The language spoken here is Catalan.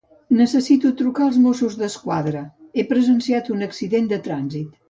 Necessito trucar als mossos d'esquadra; he presenciat un accident de trànsit.